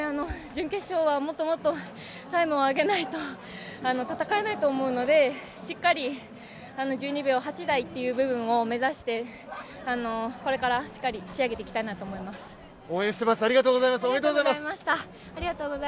準決勝はもっともっとタイムを上げないと戦えないと思うので、しっかり１２秒８台っていう部分を目指して、これからしっかり仕上げていきたいなと思います。